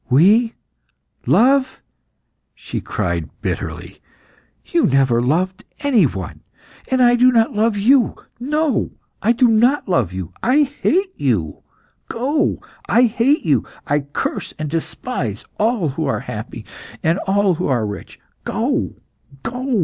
"We love!" she cried bitterly. "You never loved any one. And I do not love you! No! I do not love you! I hate you! Go! I hate you! I curse and despise all who are happy, and all who are rich! Go! Go!